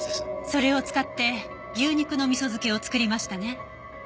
それを使って牛肉の味噌漬けを作りましたね？